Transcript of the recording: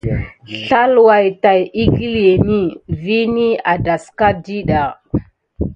Slaywa tät wukiləŋe vini a dasaku ɗiɗa.